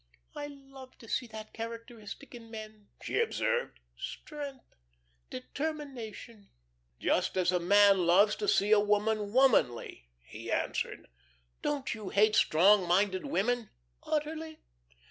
"I love to see that characteristic in men," she observed. "Strength, determination." "Just as a man loves to see a woman womanly," he answered. "Don't you hate strong minded women?" "Utterly."